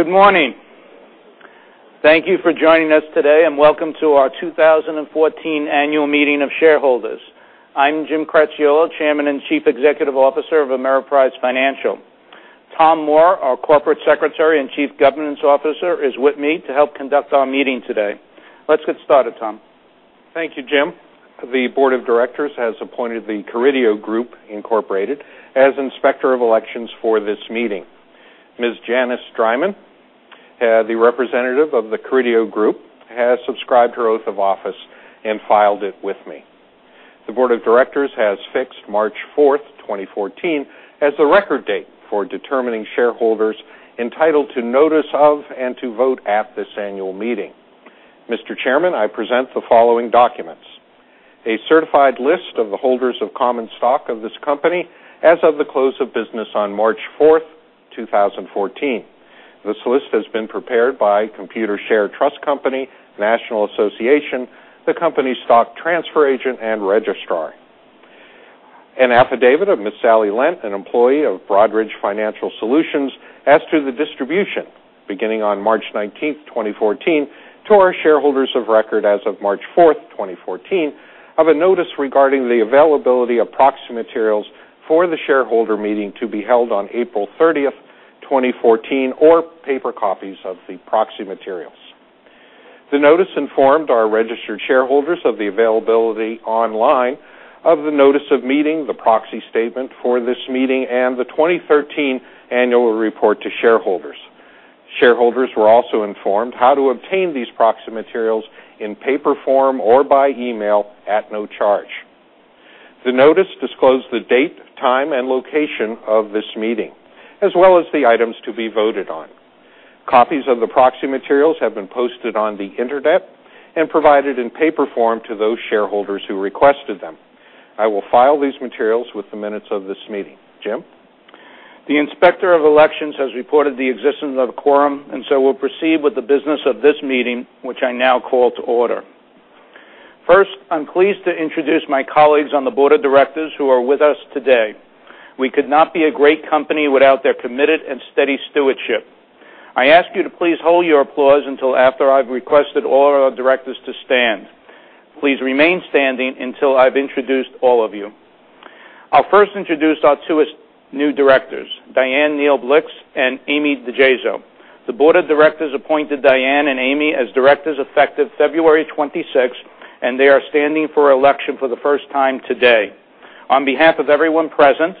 Good morning. Thank you for joining us today, and welcome to our 2014 Annual Meeting of Shareholders. I'm Jim Cracchiolo, Chairman and Chief Executive Officer of Ameriprise Financial. Tom Moore, our Corporate Secretary and Chief Governance Officer, is with me to help conduct our meeting today. Let's get started, Tom. Thank you, Jim. The Board of Directors has appointed the Carideo Group Inc. as Inspector of Elections for this meeting. Ms. Janice Dreiman, the representative of the Carideo Group, has subscribed her oath of office and filed it with me. The Board of Directors has fixed March 4th, 2014, as the record date for determining shareholders entitled to notice of and to vote at this annual meeting. Mr. Chairman, I present the following documents. A certified list of the holders of common stock of this company as of the close of business on March 4th, 2014. This list has been prepared by Computershare Trust Company, National Association, the company stock transfer agent and registrar. An affidavit of Ms. Sally Lent, an employee of Broadridge Financial Solutions, as to the distribution, beginning on March 19th, 2014, to our shareholders of record as of March 4th, 2014, of a notice regarding the availability of proxy materials for the shareholder meeting to be held on April 30th, 2014, or paper copies of the proxy materials. The notice informed our registered shareholders of the availability online of the notice of meeting, the proxy statement for this meeting, and the 2013 Annual Report to Shareholders. Shareholders were also informed how to obtain these proxy materials in paper form or by email at no charge. The notice disclosed the date, time, and location of this meeting, as well as the items to be voted on. Copies of the proxy materials have been posted on the internet and provided in paper form to those shareholders who requested them. I will file these materials with the minutes of this meeting. Jim? The Inspector of Elections has reported the existence of a quorum. We'll proceed with the business of this meeting, which I now call to order. First, I'm pleased to introduce my colleagues on the board of directors who are with us today. We could not be a great company without their committed and steady stewardship. I ask you to please hold your applause until after I've requested all our directors to stand. Please remain standing until I've introduced all of you. I'll first introduce our two new directors, Dianne Neal Blixt and Amy DiGeso. The board of directors appointed Dianne and Amy as directors effective February 26th, and they are standing for election for the first time today. On behalf of everyone present,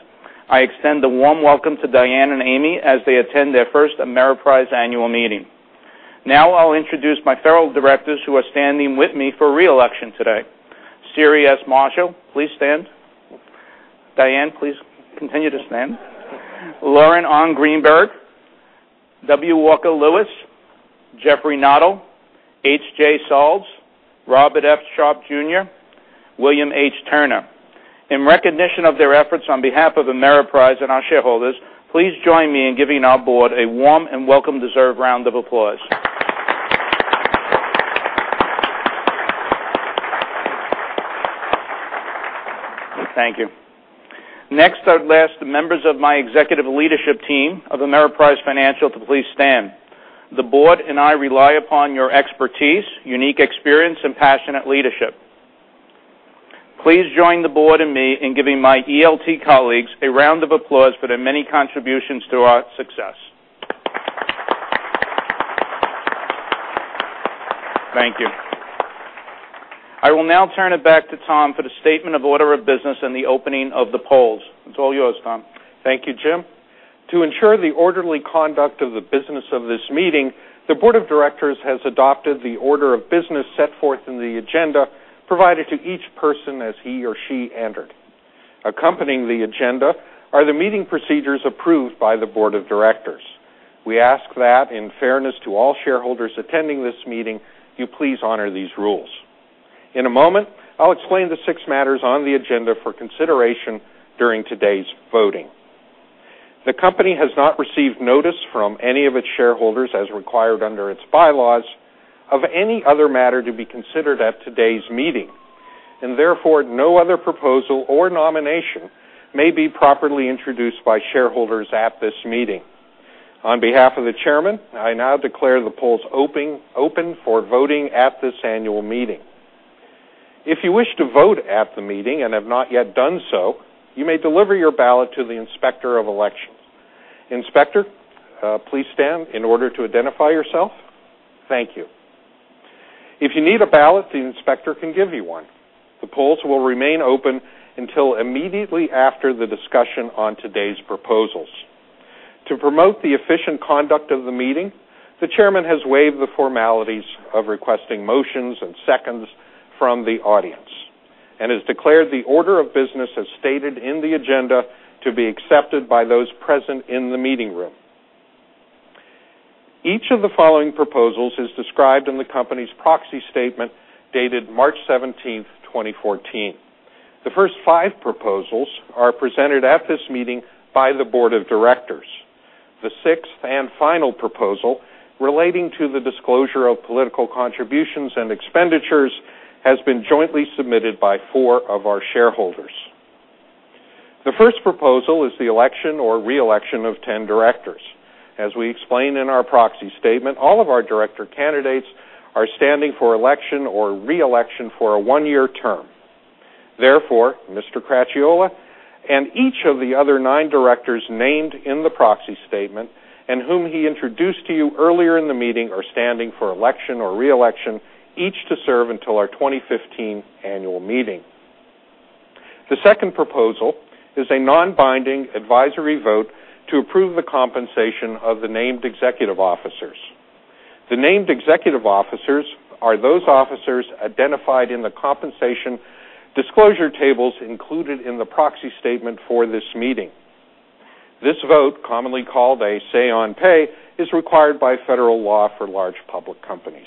I extend a warm welcome to Dianne and Amy as they attend their first Ameriprise annual meeting. I'll introduce my fellow directors who are standing with me for re-election today. Siri S. Marshall, please stand. Dianne, please continue to stand. Lon R. Greenberg, W. Walker Lewis, Jeffrey Noddle, H.J. Solz, Robert F. Sharpe, Jr., William H. Turner. In recognition of their efforts on behalf of Ameriprise and our shareholders, please join me in giving our board a warm and welcome deserved round of applause. Thank you. Next, I'd ask the members of my executive leadership team of Ameriprise Financial to please stand. The board and I rely upon your expertise, unique experience, and passionate leadership. Please join the board and me in giving my ELT colleagues a round of applause for their many contributions to our success. Thank you. I will now turn it back to Tom for the statement of order of business and the opening of the polls. It's all yours, Tom. Thank you, Jim. To ensure the orderly conduct of the business of this meeting, the board of directors has adopted the order of business set forth in the agenda provided to each person as he or she entered. Accompanying the agenda are the meeting procedures approved by the board of directors. We ask that, in fairness to all shareholders attending this meeting, you please honor these rules. In a moment, I'll explain the six matters on the agenda for consideration during today's voting. The company has not received notice from any of its shareholders as required under its bylaws of any other matter to be considered at today's meeting. Therefore, no other proposal or nomination may be properly introduced by shareholders at this meeting. On behalf of the chairman, I now declare the polls open for voting at this annual meeting. If you wish to vote at the meeting and have not yet done so, you may deliver your ballot to the Inspector of Elections. Inspector, please stand in order to identify yourself. Thank you. If you need a ballot, the inspector can give you one. The polls will remain open until immediately after the discussion on today's proposals. To promote the efficient conduct of the meeting, the chairman has waived the formalities of requesting motions and seconds from the audience and has declared the order of business as stated in the agenda to be accepted by those present in the meeting room. Each of the following proposals is described in the company's proxy statement dated March 17th, 2014. The first five proposals are presented at this meeting by the board of directors. The sixth and final proposal, relating to the disclosure of political contributions and expenditures, has been jointly submitted by four of our shareholders. The first proposal is the election or re-election of 10 directors. As we explained in our proxy statement, all of our director candidates are standing for election or re-election for a one-year term. Therefore, Mr. Cracchiolo and each of the other nine directors named in the proxy statement, and whom he introduced to you earlier in the meeting, are standing for election or re-election, each to serve until our 2015 annual meeting. The second proposal is a non-binding advisory vote to approve the compensation of the named executive officers. The named executive officers are those officers identified in the compensation disclosure tables included in the proxy statement for this meeting. This vote, commonly called a say on pay, is required by federal law for large public companies.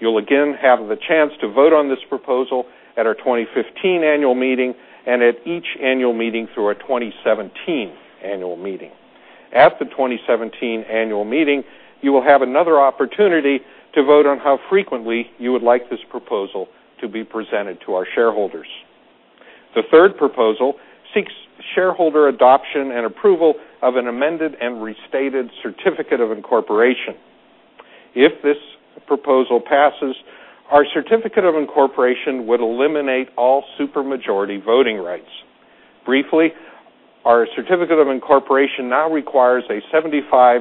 You'll again have the chance to vote on this proposal at our 2015 annual meeting and at each annual meeting through our 2017 annual meeting. At the 2017 annual meeting, you will have another opportunity to vote on how frequently you would like this proposal to be presented to our shareholders. The third proposal seeks shareholder adoption and approval of an amended and restated certificate of incorporation. If this proposal passes, our certificate of incorporation would eliminate all super majority voting rights. Briefly, our certificate of incorporation now requires a 75%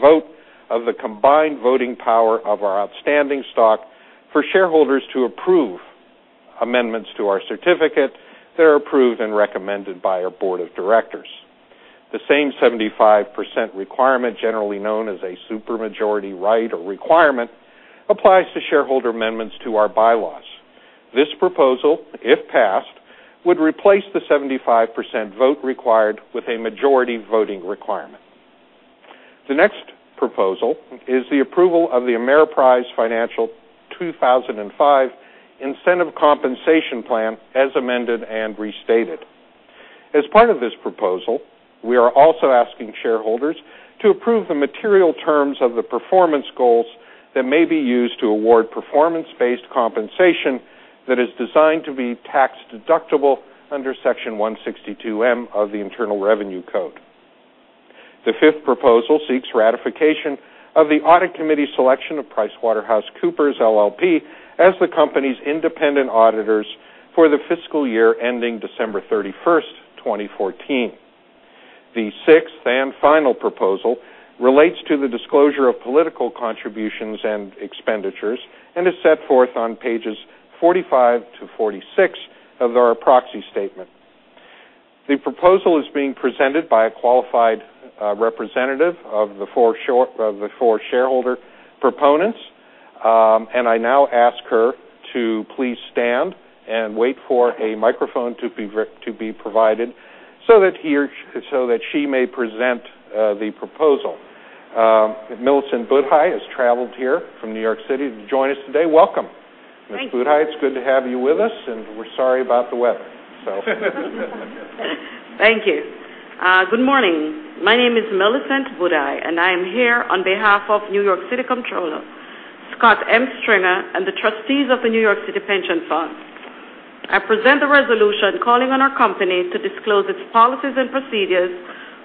vote of the combined voting power of our outstanding stock for shareholders to approve amendments to our certificate that are approved and recommended by our board of directors. The same 75% requirement, generally known as a super majority right or requirement, applies to shareholder amendments to our bylaws. This proposal, if passed, would replace the 75% vote required with a majority voting requirement. The next proposal is the approval of the Ameriprise Financial 2005 Incentive Compensation Plan, as amended and restated. As part of this proposal, we are also asking shareholders to approve the material terms of the performance goals that may be used to award performance-based compensation that is designed to be tax-deductible under Section 162(m) of the Internal Revenue Code. The fifth proposal seeks ratification of the audit committee's selection of PricewaterhouseCoopers LLP as the company's independent auditors for the fiscal year ending December 31st, 2014. The sixth and final proposal relates to the disclosure of political contributions and expenditures and is set forth on pages 45 to 46 of our proxy statement. The proposal is being presented by a qualified representative of the four shareholder proponents, I now ask her to please stand and wait for a microphone to be provided so that she may present the proposal. Millicent Budhai has traveled here from New York City to join us today. Welcome. Thank you. Ms. Budhai, it's good to have you with us, and we're sorry about the weather. Thank you. Good morning. My name is Millicent Budhai, and I am here on behalf of New York City Comptroller, Scott M. Stringer, and the trustees of the New York City Pension Fund. I present the resolution calling on our company to disclose its policies and procedures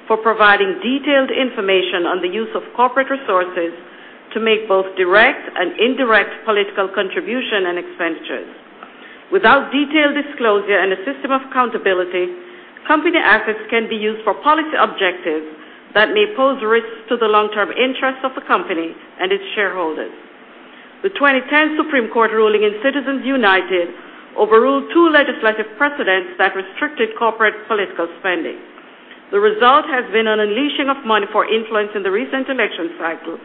for providing detailed information on the use of corporate resources to make both direct and indirect political contribution and expenditures. Without detailed disclosure and a system of accountability, company assets can be used for policy objectives that may pose risks to the long-term interests of the company and its shareholders. The 2010 Supreme Court ruling in Citizens United overruled two legislative precedents that restricted corporate political spending. The result has been an unleashing of money for influence in the recent election cycle,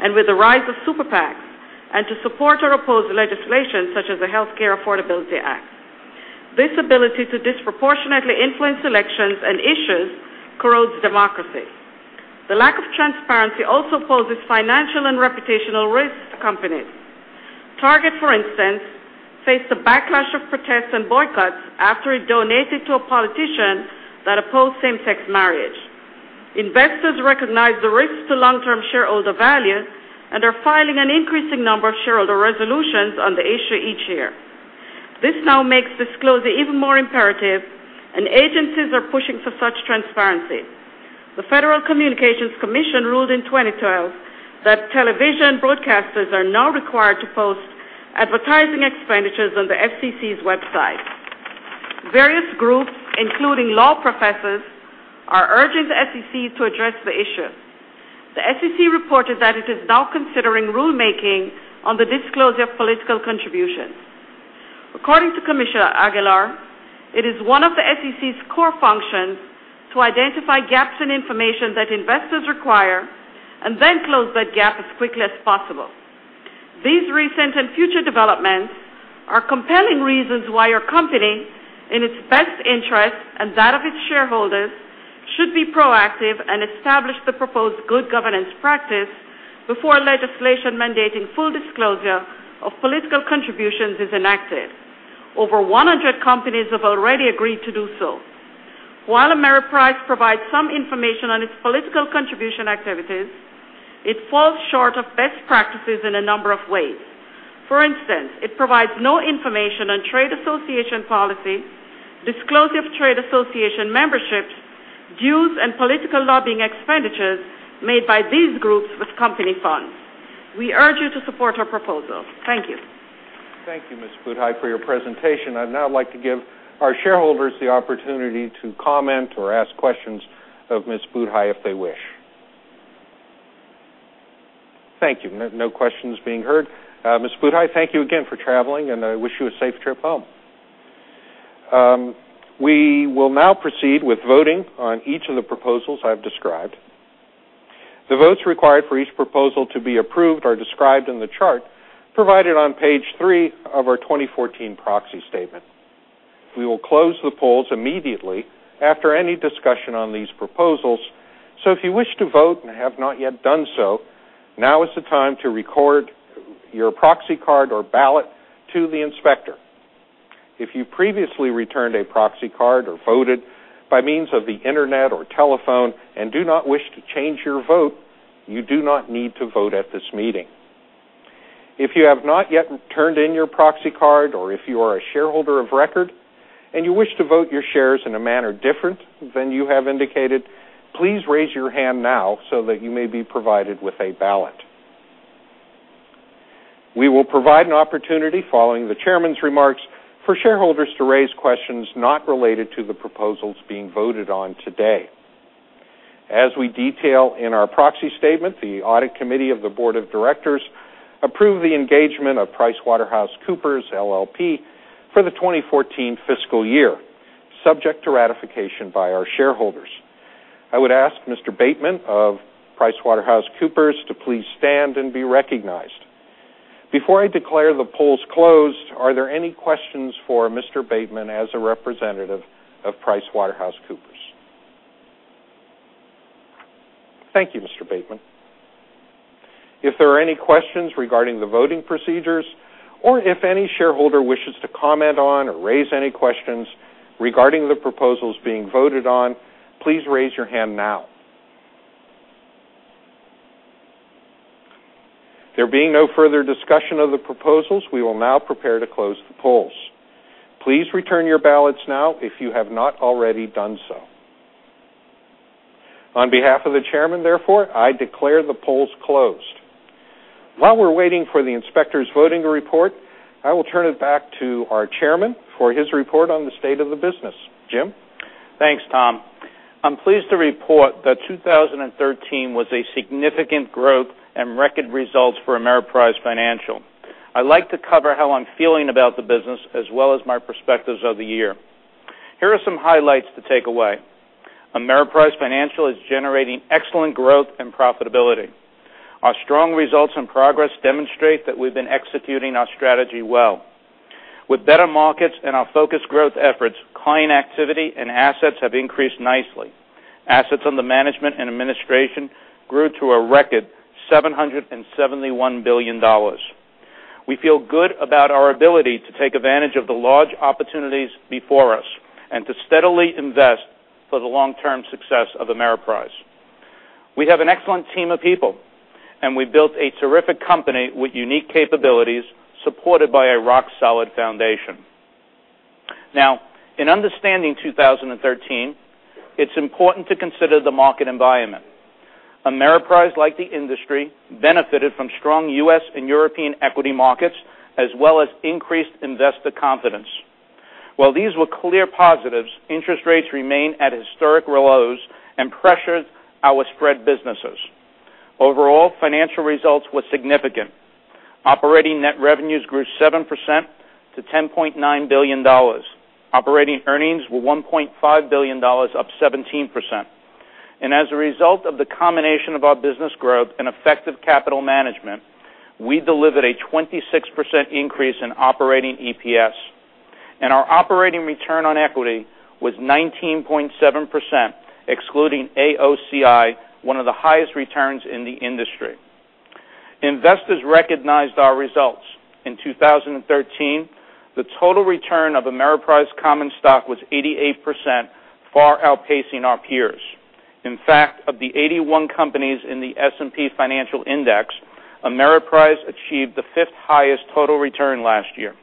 and with the rise of super PACs, and to support or oppose legislation such as the Affordable Care Act. This ability to disproportionately influence elections and issues corrodes democracy. The lack of transparency also poses financial and reputational risks to companies. Target, for instance, faced a backlash of protests and boycotts after it donated to a politician that opposed same-sex marriage. Investors recognize the risks to long-term shareholder value and are filing an increasing number of shareholder resolutions on the issue each year. This now makes disclosure even more imperative. Agencies are pushing for such transparency. The Federal Communications Commission ruled in 2012 that television broadcasters are now required to post advertising expenditures on the FCC's website. Various groups, including law professors, are urging the SEC to address the issue. The SEC reported that it is now considering rulemaking on the disclosure of political contributions. According to Commissioner Aguilar, it is one of the SEC's core functions to identify gaps in information that investors require and then close that gap as quickly as possible. These recent and future developments are compelling reasons why your company, in its best interest and that of its shareholders, should be proactive and establish the proposed good governance practice before legislation mandating full disclosure of political contributions is enacted. Over 100 companies have already agreed to do so. While Ameriprise provides some information on its political contribution activities, it falls short of best practices in a number of ways. For instance, it provides no information on trade association policy, disclosure of trade association memberships, dues, and political lobbying expenditures made by these groups with company funds. We urge you to support our proposal. Thank you. Thank you, Ms. Budhai, for your presentation. I'd now like to give our shareholders the opportunity to comment or ask questions of Ms. Budhai if they wish. Thank you. No questions being heard. Ms. Budhai, thank you again for traveling, and I wish you a safe trip home. We will now proceed with voting on each of the proposals I've described. The votes required for each proposal to be approved are described in the chart provided on page three of our 2014 proxy statement. We will close the polls immediately after any discussion on these proposals. If you wish to vote and have not yet done so, now is the time to record your proxy card or ballot to the inspector. If you previously returned a proxy card or voted by means of the internet or telephone and do not wish to change your vote, you do not need to vote at this meeting. If you have not yet turned in your proxy card or if you are a shareholder of record and you wish to vote your shares in a manner different than you have indicated, please raise your hand now so that you may be provided with a ballot. We will provide an opportunity following the chairman's remarks for shareholders to raise questions not related to the proposals being voted on today. As we detail in our proxy statement, the audit committee of the board of directors approved the engagement of PricewaterhouseCoopers LLP for the 2014 fiscal year, subject to ratification by our shareholders. I would ask Mr. Bateman of PricewaterhouseCoopers to please stand and be recognized. Before I declare the polls closed, are there any questions for Mr. Bateman as a representative of PricewaterhouseCoopers? Thank you, Mr. Bateman. If there are any questions regarding the voting procedures or if any shareholder wishes to comment on or raise any questions regarding the proposals being voted on, please raise your hand now. There being no further discussion of the proposals, we will now prepare to close the polls. Please return your ballots now if you have not already done so. On behalf of the chairman, therefore, I declare the polls closed. While we're waiting for the inspector's voting report, I will turn it back to our chairman for his report on the state of the business. Jim? Thanks, Tom. I'm pleased to report that 2013 was a significant growth and record results for Ameriprise Financial. I'd like to cover how I'm feeling about the business as well as my perspectives of the year. Here are some highlights to take away. Ameriprise Financial is generating excellent growth and profitability. Our strong results and progress demonstrate that we've been executing our strategy well. With better markets and our focused growth efforts, client activity and assets have increased nicely. Assets under management and administration grew to a record $771 billion. We feel good about our ability to take advantage of the large opportunities before us and to steadily invest for the long-term success of Ameriprise. We have an excellent team of people, we've built a terrific company with unique capabilities, supported by a rock-solid foundation. In understanding 2013, it's important to consider the market environment. Ameriprise, like the industry, benefited from strong U.S. and European equity markets as well as increased investor confidence. While these were clear positives, interest rates remained at historic lows and pressured our spread businesses. Overall, financial results were significant. Operating net revenues grew 7% to $10.9 billion. Operating earnings were $1.5 billion, up 17%. As a result of the combination of our business growth and effective capital management, we delivered a 26% increase in operating EPS. Our operating return on equity was 19.7%, excluding AOCI, one of the highest returns in the industry. Investors recognized our results. In 2013, the total return of Ameriprise common stock was 88%, far outpacing our peers. In fact, of the 81 companies in the S&P Financial Index, Ameriprise achieved the fifth highest total return last year.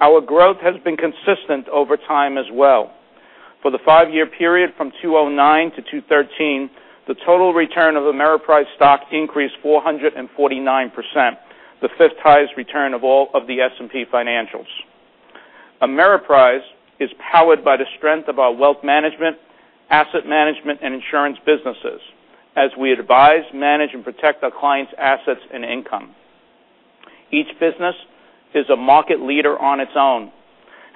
Our growth has been consistent over time as well. For the five-year period from 2009 to 2013, the total return of Ameriprise stock increased 449%, the fifth highest return of all of the S&P Financials. Ameriprise is powered by the strength of our wealth management, asset management, and insurance businesses, as we advise, manage, and protect our clients' assets and income. Each business is a market leader on its own.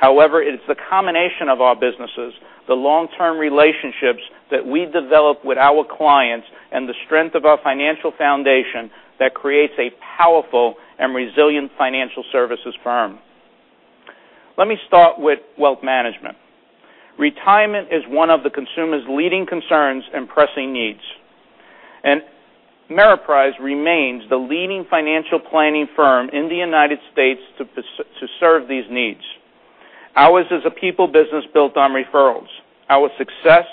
However, it is the combination of our businesses, the long-term relationships that we develop with our clients, and the strength of our financial foundation that creates a powerful and resilient financial services firm. Let me start with wealth management. Retirement is one of the consumer's leading concerns and pressing needs. Ameriprise remains the leading financial planning firm in the U.S. Serve these needs. Ours is a people business built on referrals. Our success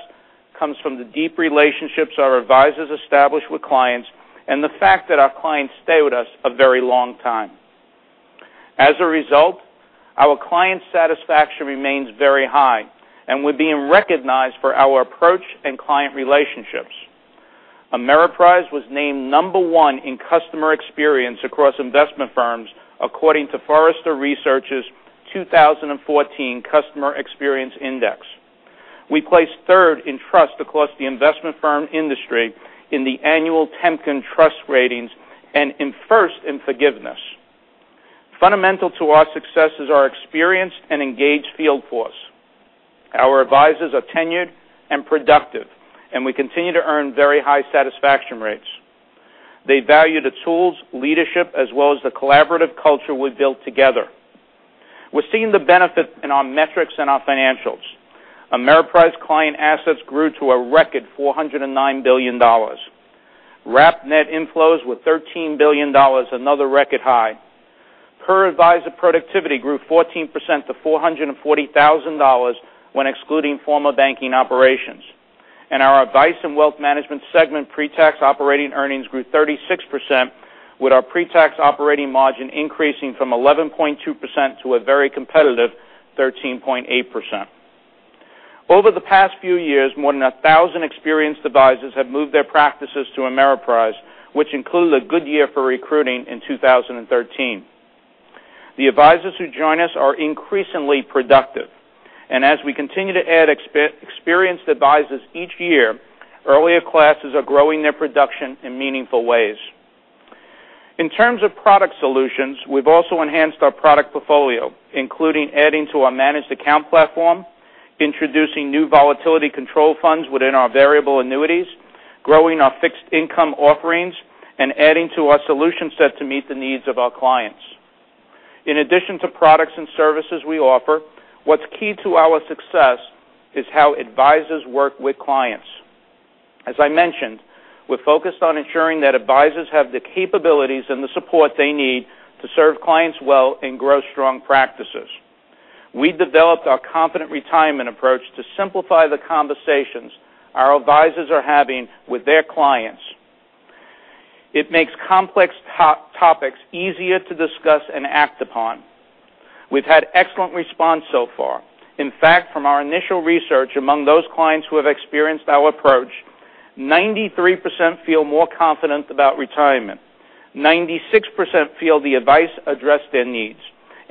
comes from the deep relationships our advisors establish with clients and the fact that our clients stay with us a very long time. As a result, our client satisfaction remains very high, and we're being recognized for our approach and client relationships. Ameriprise was named number one in customer experience across investment firms, according to Forrester Research's 2014 Customer Experience Index. We placed third in trust across the investment firm industry in the annual Temkin Trust Ratings and in first in forgiveness. Fundamental to our success is our experienced and engaged field force. Our advisors are tenured and productive, and we continue to earn very high satisfaction rates. They value the tools, leadership, as well as the collaborative culture we've built together. We're seeing the benefit in our metrics and our financials. Ameriprise client assets grew to a record $409 billion. Wrap net inflows were $13 billion, another record high. Per advisor productivity grew 14% to $440,000 when excluding former banking operations. Our Advice and Wealth Management segment pre-tax operating earnings grew 36%, with our pre-tax operating margin increasing from 11.2% to a very competitive 13.8%. Over the past few years, more than 1,000 experienced advisors have moved their practices to Ameriprise, which includes a good year for recruiting in 2013. The advisors who join us are increasingly productive. As we continue to add experienced advisors each year, earlier classes are growing their production in meaningful ways. In terms of product solutions, we've also enhanced our product portfolio, including adding to our managed account platform, introducing new volatility control funds within our variable annuities, growing our fixed income offerings, and adding to our solution set to meet the needs of our clients. In addition to products and services we offer, what's key to our success is how advisors work with clients. As I mentioned, we're focused on ensuring that advisors have the capabilities and the support they need to serve clients well and grow strong practices. We developed our Confident Retirement approach to simplify the conversations our advisors are having with their clients. It makes complex topics easier to discuss and act upon. We've had excellent response so far. In fact, from our initial research among those clients who have experienced our approach, 93% feel more confident about retirement, 96% feel the advice addressed their needs,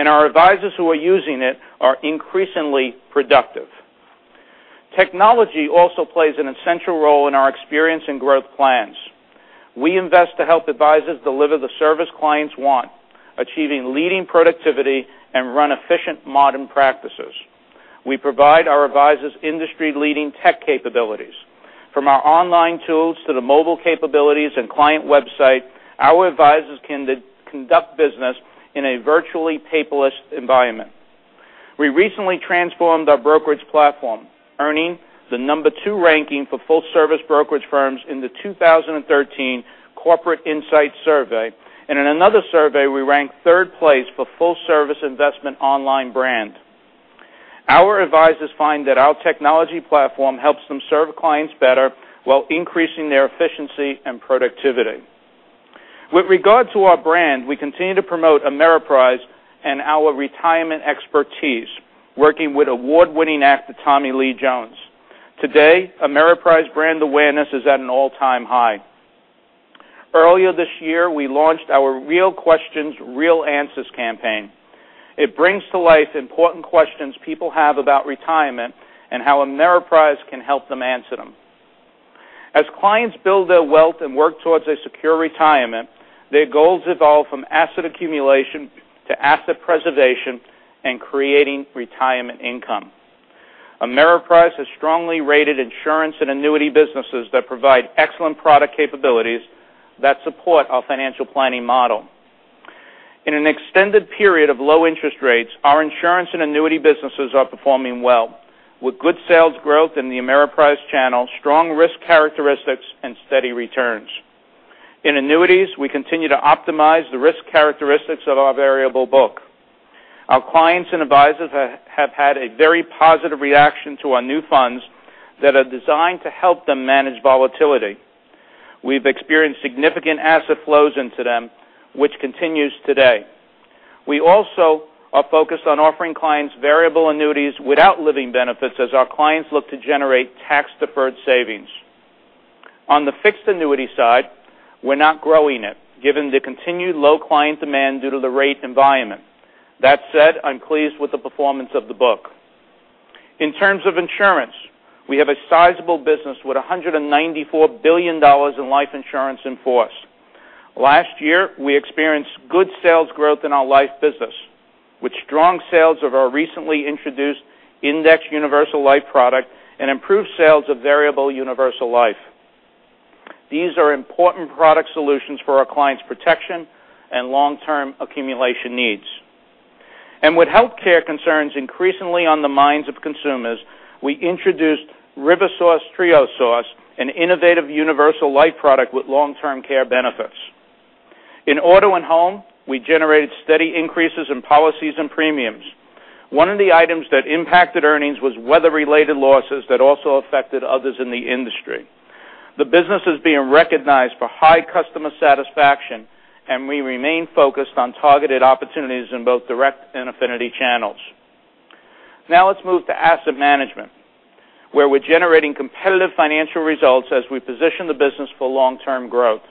and our advisors who are using it are increasingly productive. Technology also plays an essential role in our experience and growth plans. We invest to help advisors deliver the service clients want, achieving leading productivity and run efficient modern practices. We provide our advisors industry-leading tech capabilities. From our online tools to the mobile capabilities and client website, our advisors can conduct business in a virtually paperless environment. We recently transformed our brokerage platform, earning the number 2 ranking for full-service brokerage firms in the 2013 Corporate Insight Survey. In another survey, we ranked 3rd place for full-service investment online brand. Our advisors find that our technology platform helps them serve clients better while increasing their efficiency and productivity. With regard to our brand, we continue to promote Ameriprise and our retirement expertise, working with award-winning actor Tommy Lee Jones. Today, Ameriprise brand awareness is at an all-time high. Earlier this year, we launched our Real Questions. Real Answers. campaign. It brings to life important questions people have about retirement and how Ameriprise can help them answer them. As clients build their wealth and work towards a secure retirement, their goals evolve from asset accumulation to asset preservation and creating retirement income. Ameriprise has strongly rated insurance and annuity businesses that provide excellent product capabilities that support our financial planning model. In an extended period of low interest rates, our insurance and annuity businesses are performing well, with good sales growth in the Ameriprise channel, strong risk characteristics and steady returns. In annuities, we continue to optimize the risk characteristics of our variable book. Our clients and advisors have had a very positive reaction to our new funds that are designed to help them manage volatility. We've experienced significant asset flows into them, which continues today. We also are focused on offering clients variable annuities without living benefits as our clients look to generate tax-deferred savings. On the fixed annuity side, we're not growing it, given the continued low client demand due to the rate environment. That said, I'm pleased with the performance of the book. In terms of insurance, we have a sizable business with $194 billion in life insurance in force. Last year, we experienced good sales growth in our life business, with strong sales of our recently introduced Index Universal Life product and improved sales of Variable Universal Life. These are important product solutions for our clients' protection and long-term accumulation needs. With healthcare concerns increasingly on the minds of consumers, we introduced RiverSource. An innovative universal life product with long-term care benefits. In auto and home, we generated steady increases in policies and premiums. One of the items that impacted earnings was weather-related losses that also affected others in the industry. The business is being recognized for high customer satisfaction, and we remain focused on targeted opportunities in both direct and affinity channels. Now let's move to asset management, where we're generating competitive financial results as we position the business for long-term growth.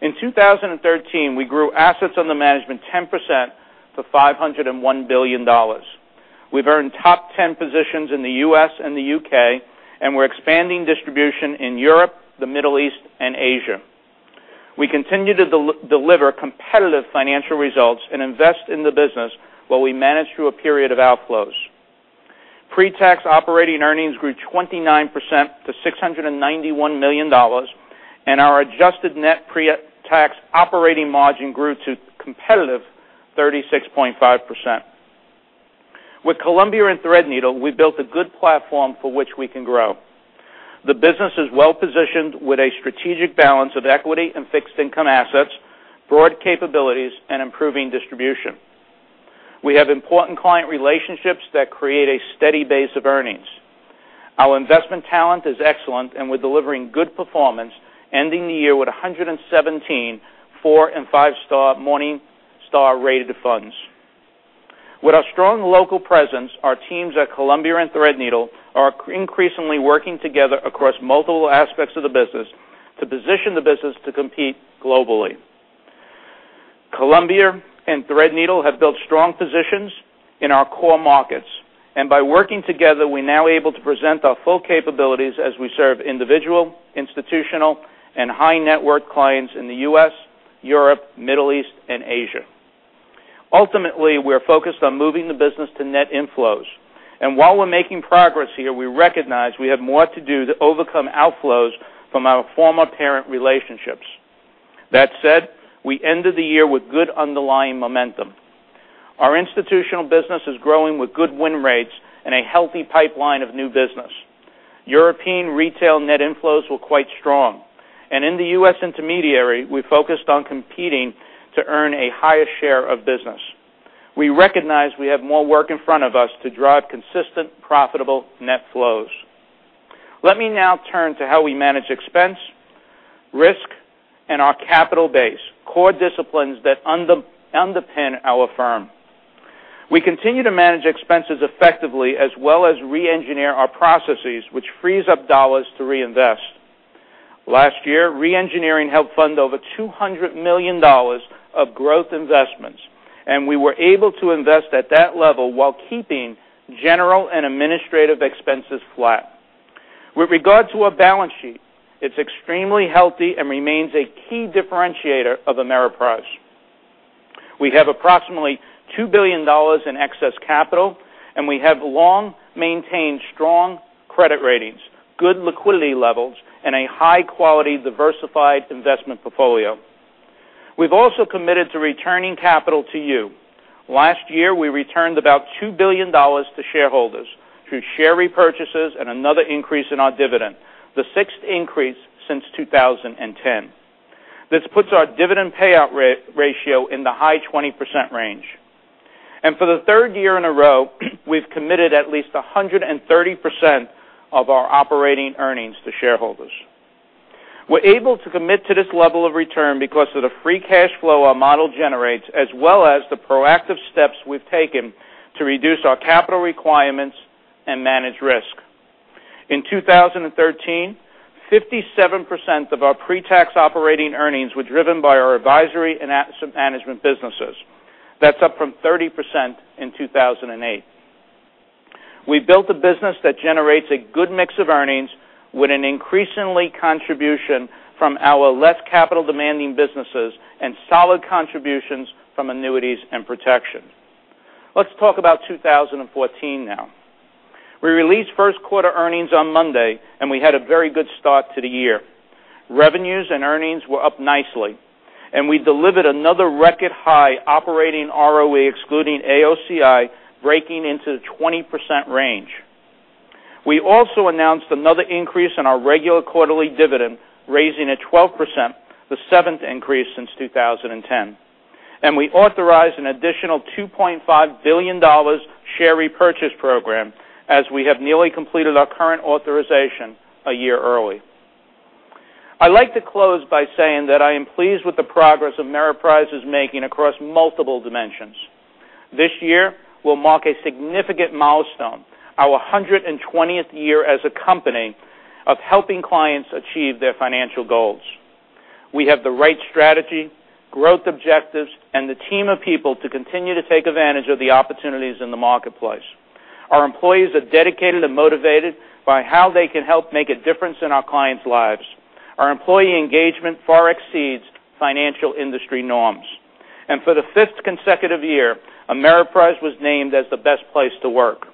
In 2013, we grew assets under management 10% to $501 billion. We've earned top 10 positions in the U.S. and the U.K., and we're expanding distribution in Europe, the Middle East, and Asia. We continue to deliver competitive financial results and invest in the business, while we manage through a period of outflows. Pre-tax operating earnings grew 29% to $691 million, and our adjusted net pre-tax operating margin grew to competitive 36.5%. With Columbia and Threadneedle, we built a good platform for which we can grow. The business is well-positioned with a strategic balance of equity and fixed income assets, broad capabilities, and improving distribution. We have important client relationships that create a steady base of earnings. Our investment talent is excellent, and we're delivering good performance, ending the year with 117 4-star and 5-star Morningstar rated funds. With our strong local presence, our teams at Columbia and Threadneedle are increasingly working together across multiple aspects of the business to position the business to compete globally. Columbia and Threadneedle have built strong positions in our core markets, and by working together, we're now able to present our full capabilities as we serve individual, institutional, and high-net-worth clients in the U.S., Europe, Middle East, and Asia. Ultimately, we're focused on moving the business to net inflows, and while we're making progress here, we recognize we have more to do to overcome outflows from our former parent relationships. That said, we ended the year with good underlying momentum. Our institutional business is growing with good win rates and a healthy pipeline of new business. European retail net inflows were quite strong. In the U.S. intermediary, we focused on competing to earn a higher share of business. We recognize we have more work in front of us to drive consistent, profitable net flows. Let me now turn to how we manage expense, risk, and our capital base, core disciplines that underpin our firm. We continue to manage expenses effectively as well as re-engineer our processes, which frees up dollars to reinvest. Last year, re-engineering helped fund over $200 million of growth investments, and we were able to invest at that level while keeping general and administrative expenses flat. With regard to our balance sheet, it's extremely healthy and remains a key differentiator of Ameriprise. We have approximately $2 billion in excess capital, and we have long maintained strong credit ratings, good liquidity levels, and a high-quality, diversified investment portfolio. We've also committed to returning capital to you. Last year, we returned about $2 billion to shareholders through share repurchases and another increase in our dividend, the sixth increase since 2010. This puts our dividend payout ratio in the high 20% range. For the third year in a row, we've committed at least 130% of our operating earnings to shareholders. We're able to commit to this level of return because of the free cash flow our model generates, as well as the proactive steps we've taken to reduce our capital requirements and manage risk. In 2013, 57% of our pre-tax operating earnings were driven by our advisory and asset management businesses. That's up from 30% in 2008. We built a business that generates a good mix of earnings with an increasingly contribution from our less capital-demanding businesses and solid contributions from annuities and protection. Let's talk about 2014 now. We released first quarter earnings on Monday, and we had a very good start to the year. Revenues and earnings were up nicely, and we delivered another record high operating ROE, excluding AOCI, breaking into the 20% range. We also announced another increase in our regular quarterly dividend, raising it 12%, the seventh increase since 2010. We authorized an additional $2.5 billion share repurchase program as we have nearly completed our current authorization a year early. I'd like to close by saying that I am pleased with the progress Ameriprise is making across multiple dimensions. This year will mark a significant milestone, our 120th year as a company of helping clients achieve their financial goals. We have the right strategy, growth objectives, and the team of people to continue to take advantage of the opportunities in the marketplace. Our employees are dedicated and motivated by how they can help make a difference in our clients' lives. Our employee engagement far exceeds financial industry norms. For the fifth consecutive year, Ameriprise was named as the best place to work.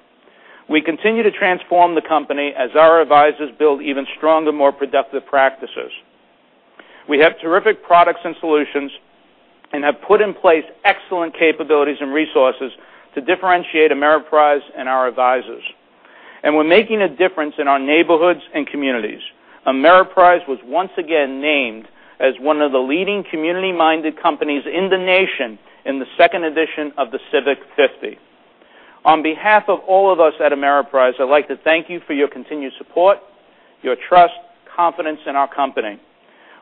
We continue to transform the company as our advisors build even stronger, more productive practices. We have terrific products and solutions and have put in place excellent capabilities and resources to differentiate Ameriprise and our advisors. We're making a difference in our neighborhoods and communities. Ameriprise was once again named as one of the leading community-minded companies in the nation in the second edition of The Civic 50. On behalf of all of us at Ameriprise, I'd like to thank you for your continued support, your trust, confidence in our company.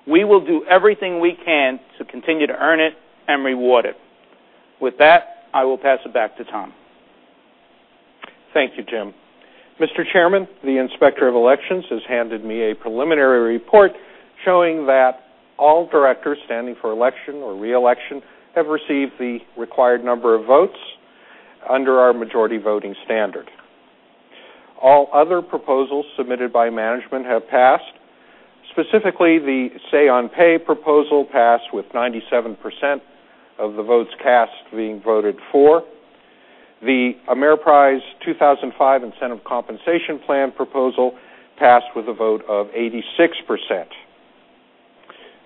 We will do everything we can to continue to earn it and reward it. With that, I will pass it back to Tom. Thank you, Jim. Mr. Chairman, the Inspector of Elections has handed me a preliminary report showing that all directors standing for election or re-election have received the required number of votes under our majority voting standard. All other proposals submitted by management have passed. Specifically, the say on pay proposal passed with 97% of the votes cast being voted for. The Ameriprise 2005 Incentive Compensation Plan proposal passed with a vote of 86%.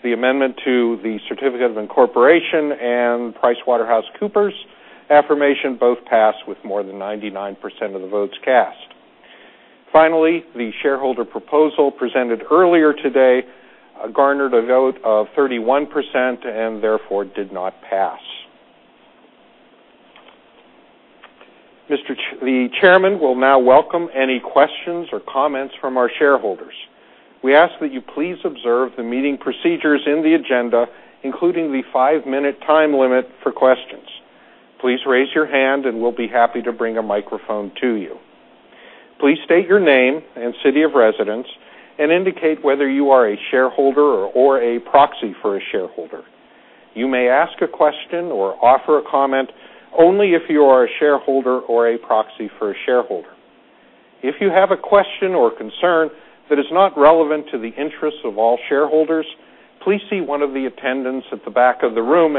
The amendment to the certificate of incorporation and PricewaterhouseCoopers affirmation both passed with more than 99% of the votes cast. Finally, the shareholder proposal presented earlier today garnered a vote of 31% and therefore did not pass. The chairman will now welcome any questions or comments from our shareholders. We ask that you please observe the meeting procedures in the agenda, including the five-minute time limit for questions. Please raise your hand. We'll be happy to bring a microphone to you. Please state your name and city of residence and indicate whether you are a shareholder or a proxy for a shareholder. You may ask a question or offer a comment only if you are a shareholder or a proxy for a shareholder. If you have a question or concern that is not relevant to the interests of all shareholders, please see one of the attendants at the back of the room.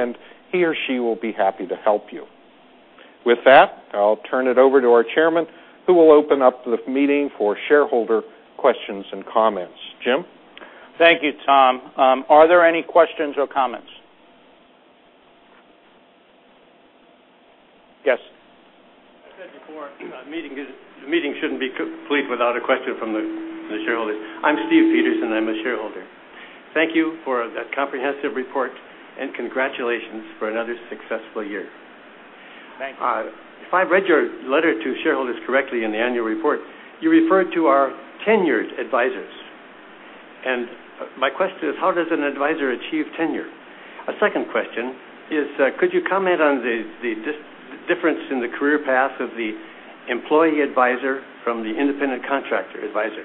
He or she will be happy to help you. With that, I'll turn it over to our chairman, who will open up the meeting for shareholder questions and comments. Jim? Thank you, Tom. Are there any questions or comments? Yes. I said before, the meeting shouldn't be complete without a question from the shareholders. I'm Steve Peterson. I'm a shareholder. Thank you for that comprehensive report. Congratulations for another successful year. Thank you. If I read your letter to shareholders correctly in the annual report, you referred to our tenured advisors. My question is, how does an advisor achieve tenure? A second question is, could you comment on the difference in the career path of the employee advisor from the independent contractor advisor?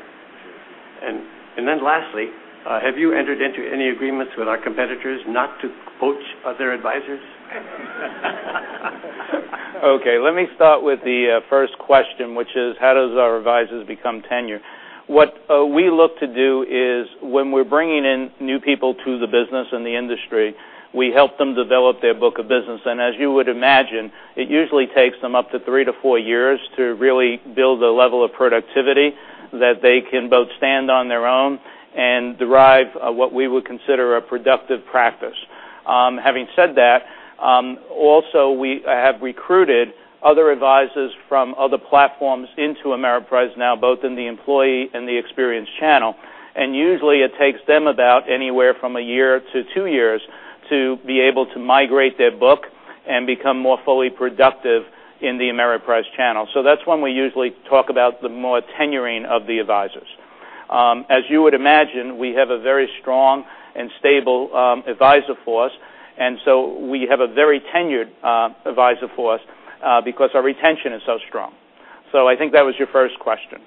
Lastly, have you entered into any agreements with our competitors not to poach other advisors? Okay, let me start with the first question, which is, how does our advisors become tenured? What we look to do is when we're bringing in new people to the business and the industry, we help them develop their book of business. As you would imagine, it usually takes them up to 3-4 years to really build a level of productivity that they can both stand on their own and derive what we would consider a productive practice. Having said that, also, we have recruited other advisors from other platforms into Ameriprise now, both in the employee and the experience channel. Usually, it takes them about anywhere from 1-2 years to be able to migrate their book and become more fully productive in the Ameriprise channel. That's when we usually talk about the more tenuring of the advisors. As you would imagine, we have a very strong and stable advisor force, we have a very tenured advisor force because our retention is so strong. I think that was your first question.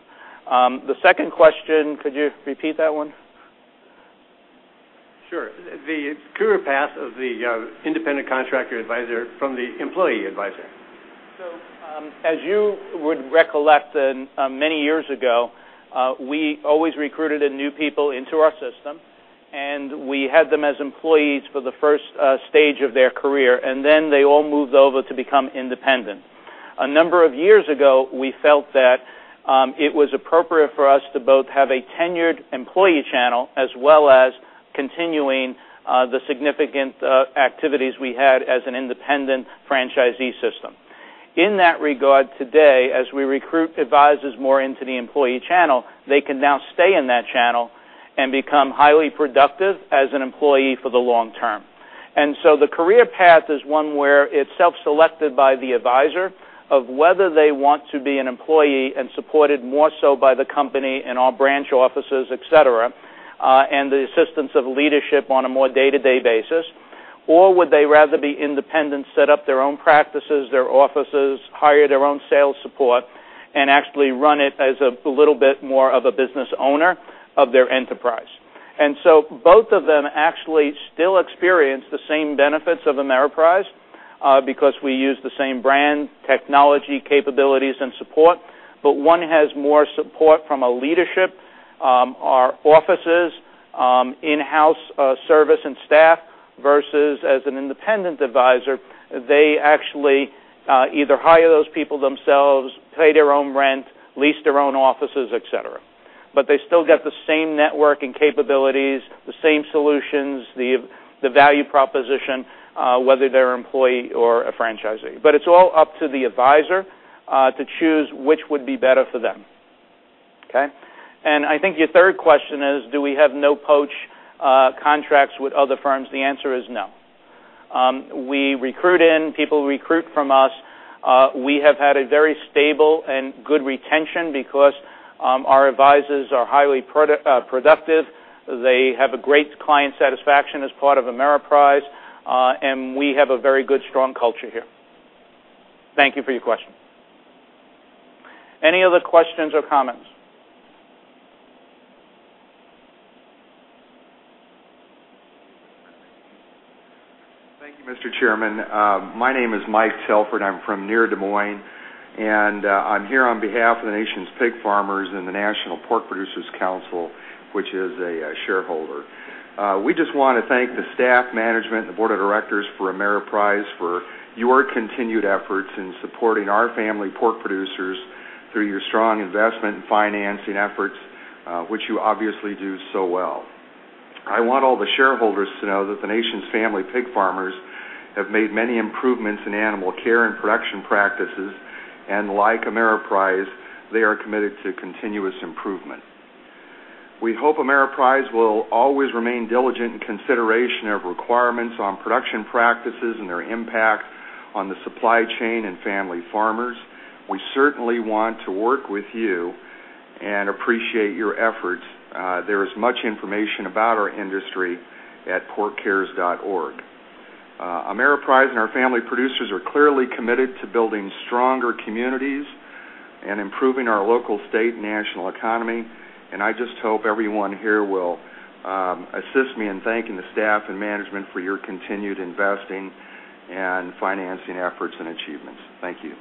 The second question, could you repeat that one? Sure. The career path of the independent contractor advisor from the employee advisor. As you would recollect, many years ago, we always recruited new people into our system, and we had them as employees for the first stage of their career, then they all moved over to become independent. A number of years ago, we felt that it was appropriate for us to both have a tenured employee channel as well as continuing the significant activities we had as an independent franchisee system. In that regard, today, as we recruit advisors more into the employee channel, they can now stay in that channel and become highly productive as an employee for the long term. The career path is one where it's self-selected by the advisor of whether they want to be an employee and supported more so by the company and our branch offices, et cetera, and the assistance of leadership on a more day-to-day basis. Would they rather be independent, set up their own practices, their offices, hire their own sales support, and actually run it as a little bit more of a business owner of their enterprise. Both of them actually still experience the same benefits of Ameriprise because we use the same brand, technology, capabilities, and support. One has more support from a leadership, our offices, in-house service. As an independent advisor, they actually either hire those people themselves, pay their own rent, lease their own offices, et cetera. They still get the same networking capabilities, the same solutions, the value proposition, whether they're employee or a franchisee. It's all up to the advisor to choose which would be better for them. Okay? I think your third question is, do we have no-poach contracts with other firms? The answer is no. We recruit in, people recruit from us. We have had a very stable and good retention because our advisors are highly productive. They have a great client satisfaction as part of Ameriprise, and we have a very good, strong culture here. Thank you for your question. Any other questions or comments? Thank you, Mr. Chairman. My name is Mike Telford. I'm from near Des Moines, and I'm here on behalf of the nation's pig farmers and the National Pork Producers Council, which is a shareholder. We just want to thank the staff, management, and the board of directors for Ameriprise for your continued efforts in supporting our family pork producers through your strong investment and financing efforts, which you obviously do so well. I want all the shareholders to know that the nation's family pig farmers have made many improvements in animal care and production practices, and like Ameriprise, they are committed to continuous improvement. We hope Ameriprise will always remain diligent in consideration of requirements on production practices and their impact on the supply chain and family farmers. We certainly want to work with you and appreciate your efforts. There is much information about our industry at porkcares.org. Ameriprise and our family producers are clearly committed to building stronger communities and improving our local, state, and national economy. I just hope everyone here will assist me in thanking the staff and management for your continued investing and financing efforts and achievements. Thank you.